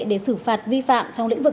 để xử phạt vi phạm trong lĩnh vực